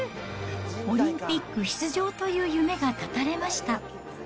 オリンピック出場という夢が断たれました。